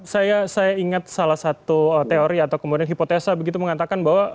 saya ingat salah satu teori atau kemudian hipotesa begitu mengatakan bahwa